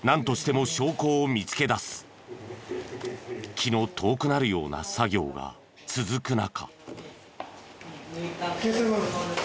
気の遠くなるような作業が続く中。